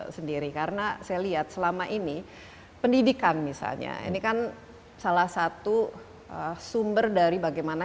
sendiri karena saya lihat selama ini pendidikan misalnya ini kan salah satu sumber dari bagaimana